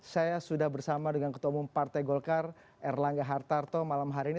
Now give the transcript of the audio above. saya sudah bersama dengan ketua umum partai golkar erlangga hartarto malam hari ini